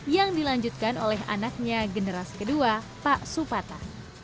yang dilanjutkan oleh anaknya generasi kedua pak supata